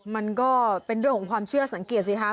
มันก็เป็นเรื่องของความเชื่อสังเกตสิคะ